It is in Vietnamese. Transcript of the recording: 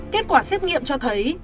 kết quả xét nghiệm cho thấy